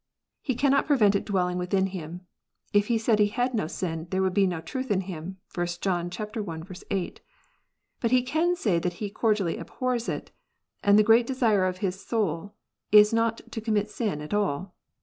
He cannot prevent it dwelling within him. " If he said he had no sin, there would be no truth in him" (1 John i. 8) ; but he can say that he cordially abhors it, and the great desire of his soul is not to commit sin at all.